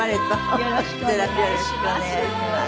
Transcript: よろしくお願いします。